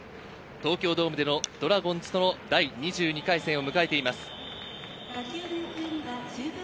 東京ドームでのドラゴンズとの第２２回戦を迎えています。